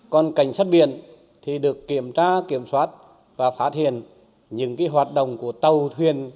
còn cảnh sát biển thì được kiểm tra kiểm soát và phá thiền những hoạt động của tàu thuyền